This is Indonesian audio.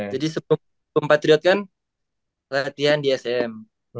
jadi sebelum patriot kan latihan di sm